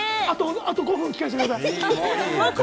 あと５分聞かせてください。